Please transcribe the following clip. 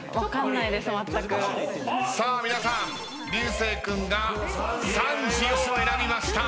さあ皆さん流星君がサンジを選びました。